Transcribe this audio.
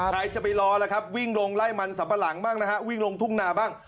ใครจะไปรอล่ะครับวิ่งลงไล่มันสัมปะหลังบ้างนะฮะวิ่งลงทุ่งนาบ้าง